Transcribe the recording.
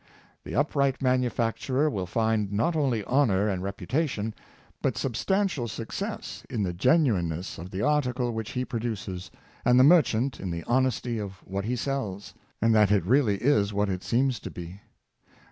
The upright manufacturer will find not only honor and reputation, but substantial success, in the genuineness of the article which he produces, and the merchant in the honesty of iA^hat he sells, and that it really is what it seems to be.